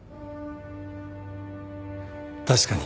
確かに。